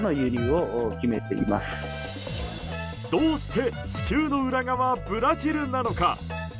どうして地球の裏側ブラジルなのか。